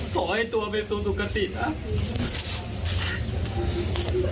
ขอให้ตัวเป็นสูตรสุขติดนะ